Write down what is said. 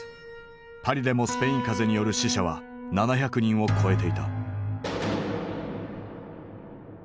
パリでもスペイン風邪による死者は７００人を超えていた。